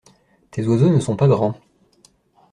Tes oiseaux ne sont pas grands.